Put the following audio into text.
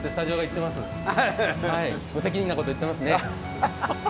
無責任なこと言ってますね。